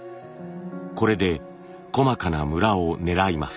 これで細かなムラを狙います。